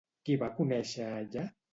Qui va conèixer allà?